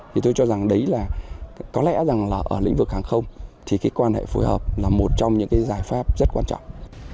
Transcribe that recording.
thì tôi cho rằng đấy là có lẽ rằng là ở lĩnh vực hàng không thì cái quan hệ phối hợp là một trong những cái giải pháp rất quan trọng